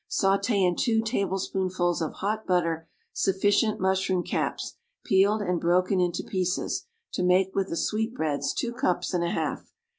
Sauté in two tablespoonfuls of hot butter sufficient mushroom caps, peeled and broken into pieces, to make with the sweetbreads two cups and a half.